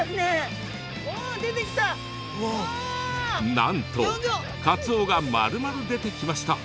なんとカツオがまるまる出てきました。